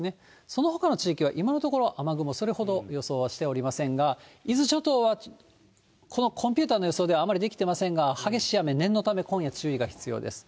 そのほかの地域は今のところ、雨雲、それほど予想はしておりませんが、伊豆諸島はこのコンピューターの予想ではあまりできてませんが、激しい雨、念のため、今夜注意が必要です。